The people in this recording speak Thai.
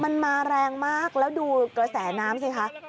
มันมาแรงมากแล้วดูกระแสน้ำสิคะ